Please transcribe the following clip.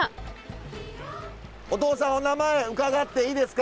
おとうさんお名前伺っていいですか？